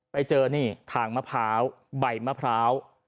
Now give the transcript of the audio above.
ไปเจอนี่ทางมะพร้าวใบมะพร้าว